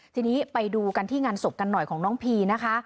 ทีนี้ไปดูกันที่งานศพกันหน่อยของน้องพีนะคะ